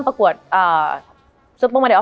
มันทำให้ชีวิตผู้มันไปไม่รอด